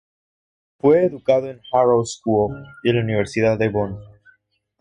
Fue educado en Harrow School y en la Universidad de Bonn.